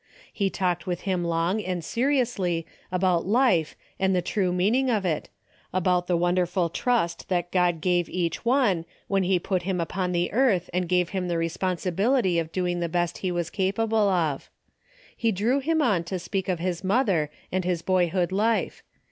He talked with him long and seriously about life and the true mean ing of it, about the wonderful trust that God gave each one, when he put him upon the earth and gave him the responsibility of doing the best he was capable of. He drew him on to speak of his mother and his boyhood life.